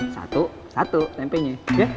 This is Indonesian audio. satu satu tempinya